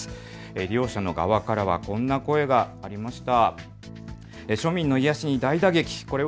利用者の側からはこんな声がありました。